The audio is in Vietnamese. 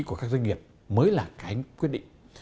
của các doanh nghiệp mới là cái quyết định